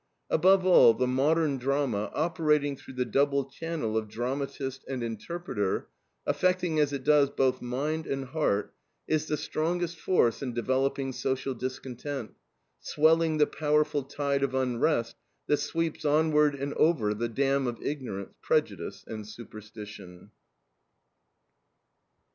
Above all, the modern drama, operating through the double channel of dramatist and interpreter, affecting as it does both mind and heart, is the strongest force in developing social discontent, swelling the powerful tide of unrest that sweeps onward and over the dam of ignorance, prejudice, and superstition.